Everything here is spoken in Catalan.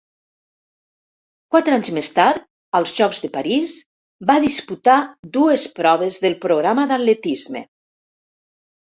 Quatre anys més tard, als Jocs de París, va disputar dues proves del programa d'atletisme.